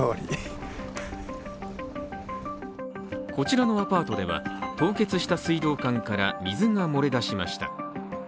こちらのアパートでは凍結した水道管から水が漏れ出しました。